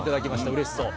うれしそう。